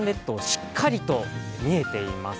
しっかりと見えています。